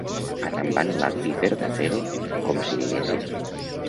Arrambant l'api per darrere, com si diguéssim.